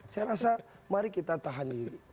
saya rasa mari kita tahan diri